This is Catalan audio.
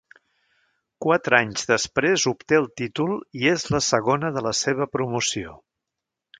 Quatre anys després obté el títol i és la segona de la seva promoció.